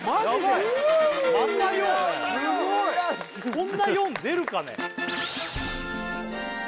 こんな４出るかね